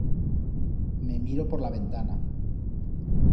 Me miro per la ventana.